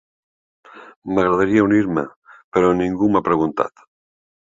M'agradaria unir-me, però ningú m'ha preguntat.